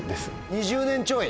２０年ちょい？